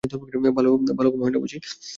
ভালো ঘুম হয় না বুঝি?